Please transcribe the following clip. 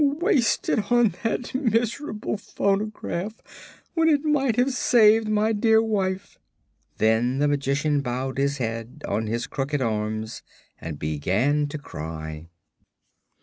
"Wasted on that miserable phonograph when it might have saved my dear wife!" Then the Magician bowed his head on his crooked arms and began to cry.